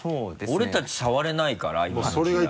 俺たち触れないから今の時代。